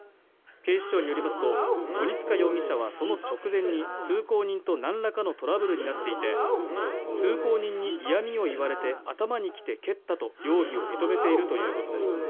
警視庁によりますと、鬼束容疑者はその直前に通行人と何らかのトラブルになっていて、通行人に嫌みを言われて頭にきて蹴ったと容疑を認めているということです。